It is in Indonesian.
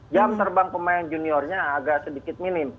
jam terbang pemain juniornya agak sedikit minim